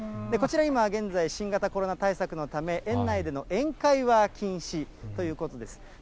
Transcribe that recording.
こちら今、現在、新型コロナ対策のため、園内での宴会は禁止ということです。